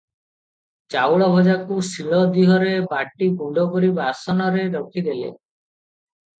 ଚାଉଳ ଭଜାକୁ ସିଳ ଦିହରେ ବାଟି ଗୁଣ୍ଡକରି ବାସନରେ ରଖିଦେଲେ ।